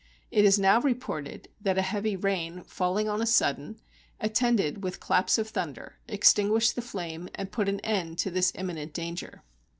It is now reported that a heavy rain, falling on a sudden, attended with claps of thunder, extinguished the flame, and put an end to this imminent danger.